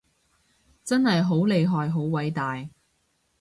真係好厲害好偉大